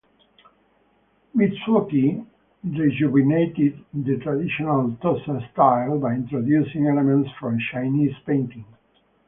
Mitsuoki rejuvenated the traditional Tosa style by introducing elements from Chinese painting.